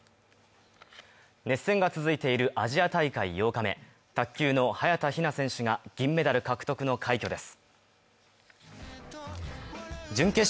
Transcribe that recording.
熱戦が続いているアジア大会８日目卓球の早田ひな選手が銀メダル獲得の快挙です